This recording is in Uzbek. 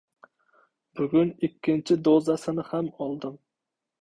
Bugun ikkinchi dozasini ham oldim.